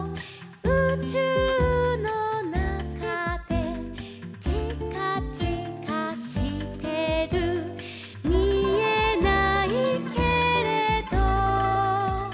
「うちゅうのなかで」「ちかちかしてる」「みえないけれど」